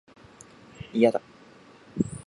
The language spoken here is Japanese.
いやだ